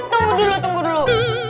tunggu dulu tunggu dulu